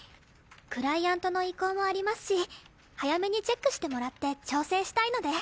クライアントの意向もありますし早めにチェックしてもらって調整したいので。